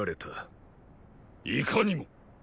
いかにも。